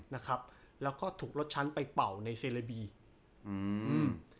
นะครับแล้วก็ถูกรถชั้นไปเป่าในเซเลบีอืมอืม